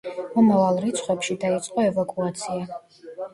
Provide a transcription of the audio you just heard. მომავალ რიცხვებში დაიწყო ევაკუაცია.